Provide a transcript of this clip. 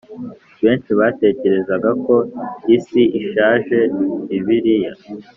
benshi batekerezaga ko isi ishashe bibiliya